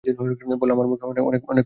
বলল, আমার মুখ অনেক ফ্যাকাশে হয়ে গেছে।